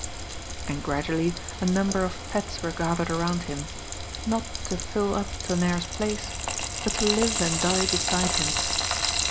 And gradually a number of pets were gathered around him, not to fill up Tonnerre's place, but to live and die be side him.